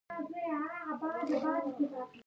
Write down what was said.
جنت ته به له تانه وړم ایمان افغانستانه